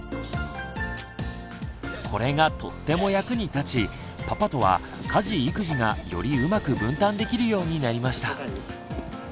これがとっても役に立ちパパとは家事育児がよりうまく分担できるようになりました。